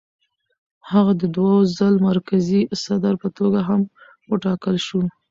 هغه د دوو ځل مرکزي صدر په توګه هم وټاکل شو.